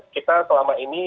kita selama ini